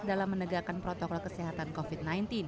dalam menegakkan protokol kesehatan covid sembilan belas